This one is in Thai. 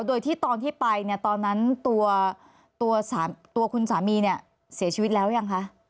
โดยที่ตอนที่ไปเนี่ยตอนนั้นตัวคุณสามีเนี่ยเสียชีวิตแล้วยังคะ